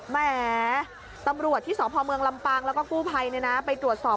แหมตำรวจที่สพเมืองลำปางแล้วก็กู้ภัยไปตรวจสอบ